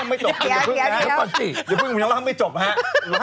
ยังไม่จบอย่าพึ่งนะฮะอย่าพึ่งผมยังรับไม่จบนะฮะ